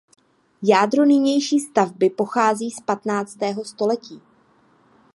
Jádro nynější stavby pochází z patnáctého století.